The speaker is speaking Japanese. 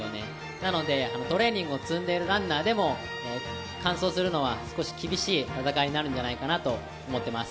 なのでトレーニングを積んでいるランナーでも完走するのは少し厳しい戦いになるんじゃないかなと思っています。